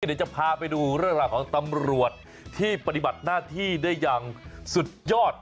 เดี๋ยวจะพาไปดูเรื่องราวของตำรวจที่ปฏิบัติหน้าที่ได้อย่างสุดยอด